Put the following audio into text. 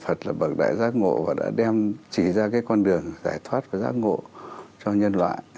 phật là bậc đại giác ngộ và đã đem chỉ ra cái con đường giải thoát và giác ngộ cho nhân loại